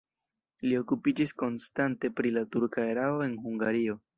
Li okupiĝis konstante pri la turka erao en Hungario.